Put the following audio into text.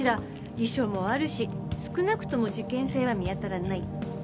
遺書もあるし少なくとも事件性は見当たらない。